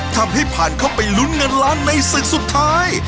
ทำให้ผ่านเข้าไปลุ้นเงินล้านในศึกสุดท้าย